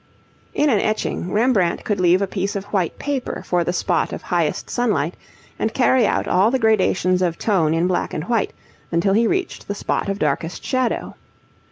In an etching, Rembrandt could leave a piece of white paper for the spot of highest sunlight, and carry out all the gradations of tone in black and white, until he reached the spot of darkest shadow.